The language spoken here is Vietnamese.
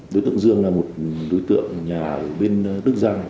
đối tượng dương là một đối tượng nhà bên đức giang